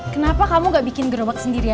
kenapa kamu gak bikin gerobak sendiri ya